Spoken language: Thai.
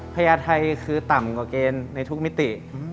พญาไทยคือต่ำกว่าเกณฑ์ในทุกมิติ